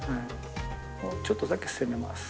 「ちょっとだけ攻めます。